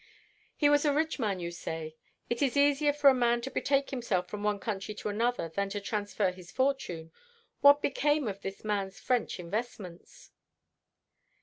"He was a rich man, you say. It is easier for a man to betake himself from one country to another than to transfer his fortune. What became of this man's French investments?"